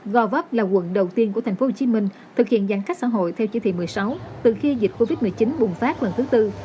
govop là quận đầu tiên của thành phố hồ chí minh thực hiện giãn cách xã hội theo chỉ thị một mươi sáu từ khi dịch covid một mươi chín bùng phát lần thứ tư